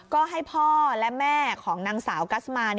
ก็ให้พ่อและแม่ของนางสาวกัสมา